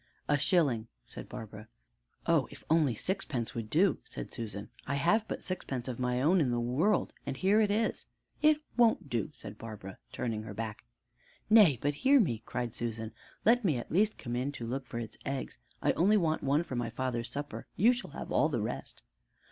"A shilling," said Barbara. "Oh, if only sixpence would do!" said Susan; "I have but sixpence of my own in the world, and here it is." "It won't do," said Barbara, turning her back. "Nay, but hear me," cried Susan, "let me at least come in to look for its eggs. I only want one for my father's supper. You shall have all the rest."